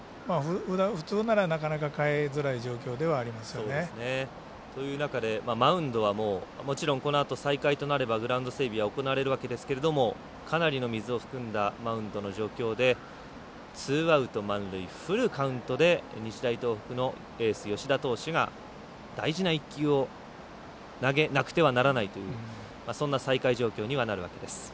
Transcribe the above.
普通なら、なかなか代えづらい状況ではありますね。というなかでマウンドはもちろんこのあと再開となればグラウンド整備は行われるわけですがかなりの水を含んだマウンドの状況でツーアウト満塁フルカウントで日大東北のエース、吉田投手が大事な１球を投げなくてはならないというそんな再開状況にはなるわけです。